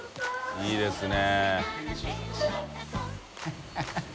いいですね。